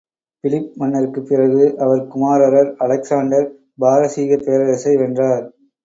Philip மன்னர்க்குப் பிறகு, அவர் குமாரர் அலெக்சாண்டர் பாரசீகப் பேரரசை வென்றார்.